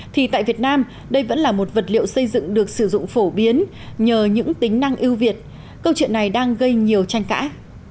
thì tại việt nam đây vẫn là một vật liệu xây dựng được sử dụng phổ biến nhờ những tính năng ưu việt câu chuyện này đang gây nhiều tranh cãi